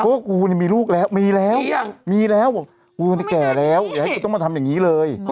เพราะว่ากูเนี่ยมีลูกแล้วมีแล้วมีแล้วบอกมึงแก่แล้วอย่าให้กูต้องมาทำอย่างนี้เลย